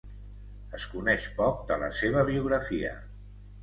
Es coneix poc de la seva biografia.